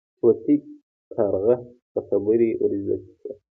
طوطي کارغه ته خبرې ور زده کړې.